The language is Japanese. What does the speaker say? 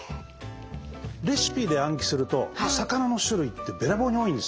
レシピで暗記すると魚の種類ってべらぼうに多いんですよ。